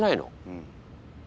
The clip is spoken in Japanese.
うん。